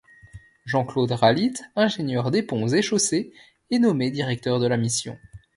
Jean-Claude Ralite, ingénieur des Ponts et Chaussées, est nommé directeur de la Mission.